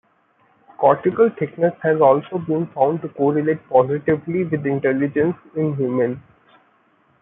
Cortical thickness has also been found to correlate positively with intelligence in humans.